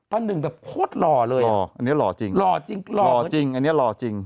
อันหนึ่งแบบโคตรหล่อเลยหล่ออันนี้หล่อจริงหล่อจริงหล่อจริงอันนี้หล่อจริง